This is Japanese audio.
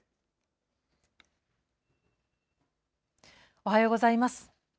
おはようございます。